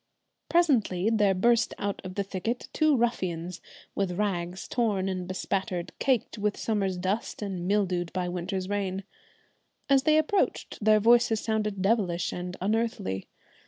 Presently there burst out of the thicket two ruffians, with rags torn and bespattered, caked with summer's dust and mildewed by winter's rain. As they approached their voices sounded devilish and unearthly.